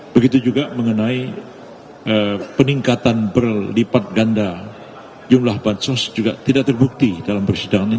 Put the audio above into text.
begitu juga mengenai peningkatan berlipat ganda jumlah bansos juga tidak terbukti dalam persidangan ini